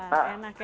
wah enak ya